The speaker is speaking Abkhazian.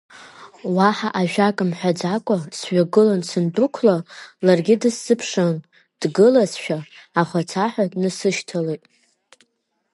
Уаҳа ажәак мҳәаӡакәа сҩагылан сандәықәла, ларгьы дысзыԥшын дгылазшәа, ахәацаҳәа днасышьҭалеит.